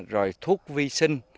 rồi thuốc vi sinh